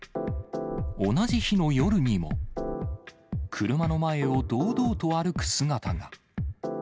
同じ日の夜にも、車の前を堂々と歩く姿が。